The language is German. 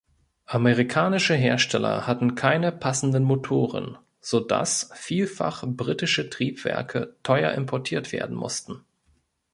Amerikanische Hersteller hatten keine passenden Motoren, sodass vielfach britische Triebwerke teuer importiert werden mussten.